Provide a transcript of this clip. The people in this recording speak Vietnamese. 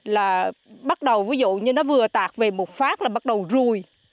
là bắt đầu ví dụ như nó vừa tạc về một phát là bắt đầu ruồi